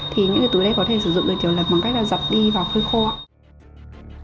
thì những cái túi này có thể sử dụng được kiểu lập bằng cách là dập đi vào khơi khô ạ